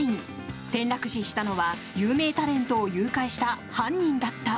転落死したのは有名タレントを誘拐した犯人だった。